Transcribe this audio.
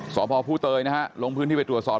สพผู้เตยนะฮะลงพื้นที่ไปตรวจสอบ